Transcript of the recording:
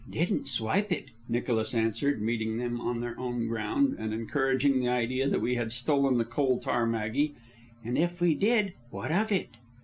"Didn't swipe it," Nicholas answered, meeting them on their own ground and encouraging the idea that we had stolen the Coal Tar Maggie. "And if we did, what of it?"